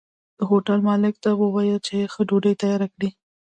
د هوټل مالک ته ووايه چې ښه ډوډۍ تياره کړي